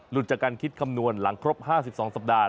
จากการคิดคำนวณหลังครบ๕๒สัปดาห